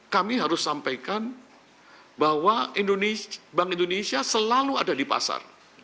kami harus sampaikan bahwa bank indonesia selalu ada di pasar